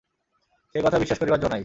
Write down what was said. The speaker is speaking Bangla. সে কথা বিশ্বাস করিবার জো নাই।